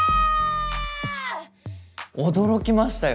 驚きましたよ。